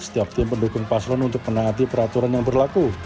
setiap tim pendukung paslon untuk menaati peraturan yang berlaku